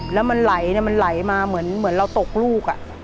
แล้วมันไหลมันไหลมาเหมือนเราตกลูก